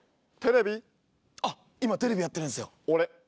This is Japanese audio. あっ今テレビやってるんですよ。